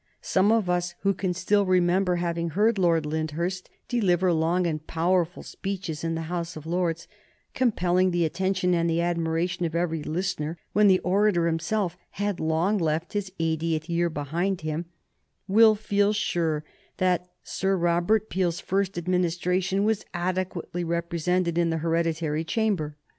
Some of us who can still remember having heard Lord Lyndhurst deliver long and powerful speeches in the House of Lords, compelling the attention and the admiration of every listener when the orator himself had long left his eightieth year behind him, will feel sure that Sir Robert Peel's first Administration was adequately represented in the hereditary chamber.